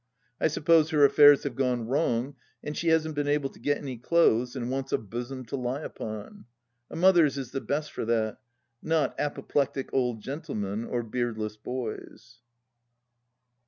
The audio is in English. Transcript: I suppose her affairs have gone wrong and she hasn't been able to get any clothes, and wants a bosom to lie upon. A mother's is the best for that, not apoplectic old gentlemen or beardless boys.